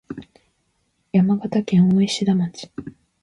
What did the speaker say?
山形県大石田町